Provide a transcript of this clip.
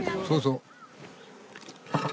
そうそう。